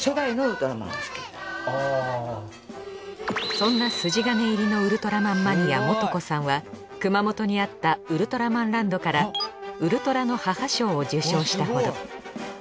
そんな筋金入りのウルトラマンマニア仁子さんは熊本にあったウルトラマンランドからウルトラの母賞を受賞したほど。